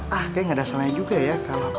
kayaknya gak ada salahnya juga ya